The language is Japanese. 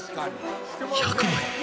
［１００枚。